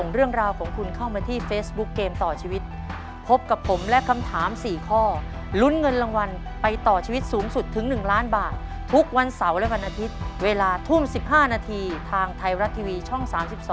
เวลาทุ่ม๑๕นาทีทางไทยรัดทีวีช่อง๓๒